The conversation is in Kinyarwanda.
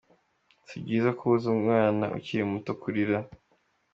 Si byiza kubuza umwana ukiri muto kurira